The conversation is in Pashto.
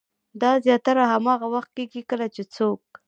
دا زياتره هاغه وخت کيږي کله چې څوک